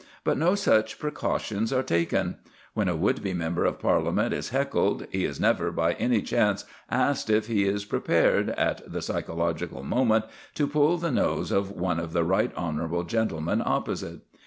But no such precautions are taken. When a would be member of Parliament is heckled, he is never by any chance asked if he is prepared, at the psychological moment, to pull the nose of one of the right honourable gentlemen opposite.